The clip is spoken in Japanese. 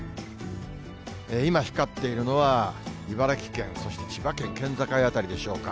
今、光っているのは、茨城県、そして千葉県、県境辺りでしょうか。